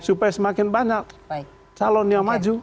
supaya semakin banyak calon yang maju